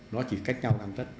nó chỉ cách nhau làm tất